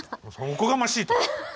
おこがましいと。